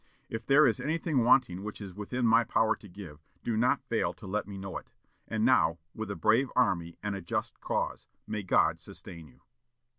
If there is anything wanting which is within my power to give, do not fail to let me know it. And now, with a brave army and a just cause, may God sustain you."